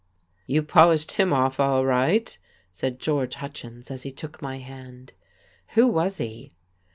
"You polished him off, all right," said George Hutchins, as he took my hand. "Who was he?"